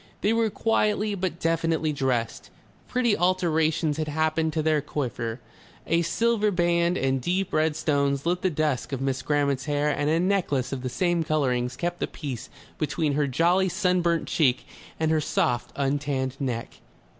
They were quietly but definitely dressed, pretty alterations had happened to their coiffure, a silver band and deep red stones lit the dusk of Miss Grammont's hair and a necklace of the same colourings kept the peace between her jolly sun burnt cheek and her soft untanned neck.